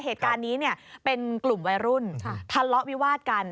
เหตุการณ์นี้เป็นกลุ่มวัยรุ่นทะเลาะวิวาดกัน